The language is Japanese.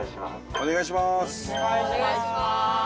お願いします！